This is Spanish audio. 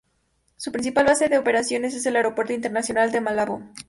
Su principal base de operaciones es el Aeropuerto Internacional de Malabo.